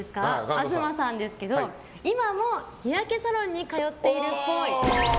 東さんですけど今も日焼けサロンに通っているっぽい。